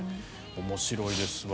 面白いですわ。